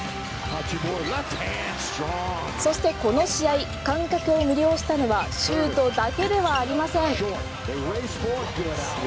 そしてこの試合観客を魅了したのはシュートだけではありません。